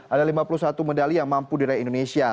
ada lima puluh satu medali yang mampu diraih indonesia